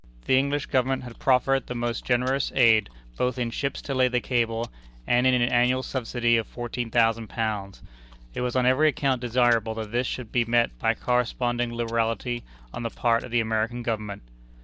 The English Government had proffered the most generous aid, both in ships to lay the cable, and in an annual subsidy of £14,000. It was on every account desirable that this should be met by corresponding liberality on the part of the American Government.